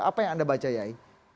apa yang anda baca yai